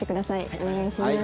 お願いします。